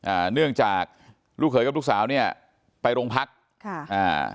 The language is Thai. อ่าเนื่องจากลูกเขยกับลูกสาวเนี้ยไปโรงพักค่ะอ่า